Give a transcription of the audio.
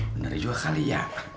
bener juga kali ya